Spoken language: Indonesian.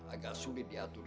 agak sulit diatur